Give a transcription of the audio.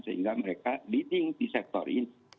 sehingga mereka leading di sektor ini